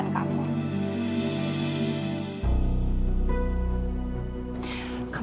ini kan prank